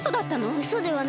うそではないです。